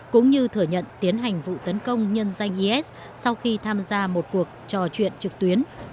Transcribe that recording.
cũng như thừa nhận tiến hành vụ tấn công nhân danh is sau khi tham gia một cuộc trò chuyện trực tuyến